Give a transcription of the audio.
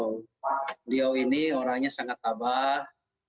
beliau ini orangnya sangat tabah